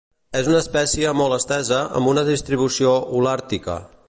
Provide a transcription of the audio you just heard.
És una espècie molt estesa amb una distribució Holàrtica.